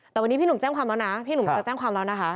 แต่วันนี้พี่หนุ่มแจ้งความแล้วนะพี่หนุ่มจะแจ้งความแล้วนะคะ